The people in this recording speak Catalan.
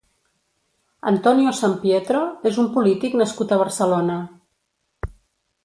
Antonio Sampietro és un polític nascut a Barcelona.